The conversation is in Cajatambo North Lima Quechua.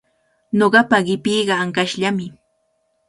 Ñuqapa qipiiqa ankashllami.